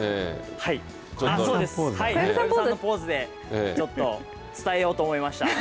はい、小籔さんのポーズで、ちょっと伝えようと思いました。